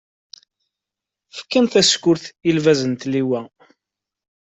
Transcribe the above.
Fkan tasekkurt, i lbaz n tliwa.